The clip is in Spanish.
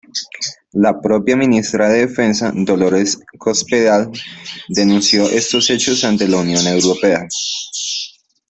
La propia ministra de defensa Dolores Cospedal denunció estos hechos ante la Unión Europea.